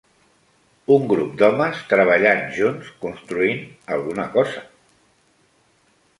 Un grup d'homes treballant junts construint alguna cosa